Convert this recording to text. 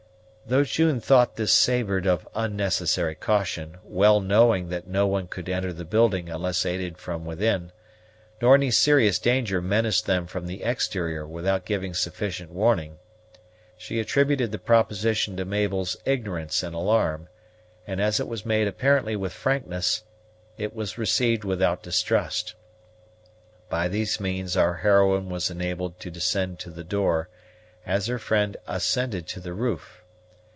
Though June thought this savored of unnecessary caution, well knowing that no one could enter the building unless aided from within, nor any serious danger menace them from the exterior without giving sufficient warning, she attributed the proposition to Mabel's ignorance and alarm; and, as it was made apparently with frankness, it was received without distrust. By these means our heroine was enabled to descend to the door, as her friend ascended to the roof.